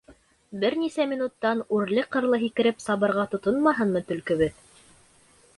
Бер нисә минуттан үрле-ҡырлы һикереп сабырға тотонмаһынмы төлкөбөҙ.